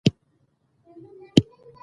ګنګان او کاڼه خلګ باید وستایل شي.